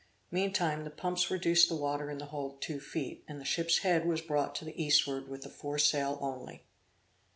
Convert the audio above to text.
Meantime the pumps reduced the water in the hold two feet, and the ship's head was brought to the eastward with the foresail only.